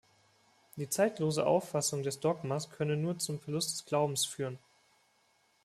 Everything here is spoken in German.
Die zeitlose Auffassung des Dogmas könne nur zum Verlust des Glaubens führen.